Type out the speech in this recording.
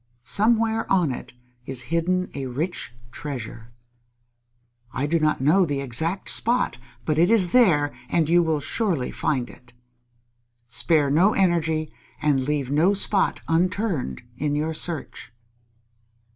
Somewhere on it is hidden a rich treasure. I do not know the exact spot, but it is there, and you will surely find it. Spare no energy and leave no spot unturned in your search."